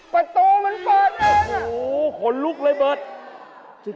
ประตูมันเปิดเองโอ้โหขนลุกเลยเบิร์ต